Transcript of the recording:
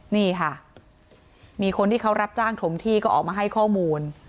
นี่ค่ะมีคนที่เขารับจ้างถมที่ก็ออกมาให้ข้อมูล